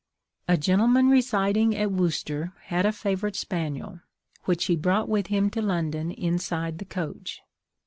A gentleman residing at Worcester had a favourite spaniel, which he brought with him to London inside the coach.